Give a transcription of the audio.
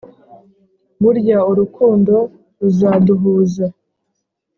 Burya urukundo ruzaduhuza